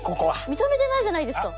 認めてないじゃないですか。